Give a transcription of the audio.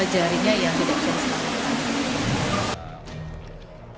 jarinya yang tidak bisa diselamatkan